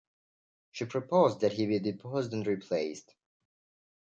She proposed that he be deposed and replaced.